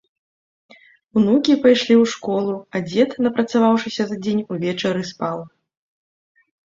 Унукі пайшлі ў школу, а дзед, напрацаваўшыся за дзень, увечары спаў.